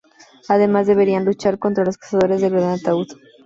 Además deberán luchar contra los cazadores del gran ataúd.